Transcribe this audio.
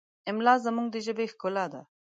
املا زموږ د ژبې ښکلا ده.